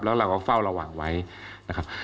แล้วเราก็เฝ้าระวังไว้นะครับ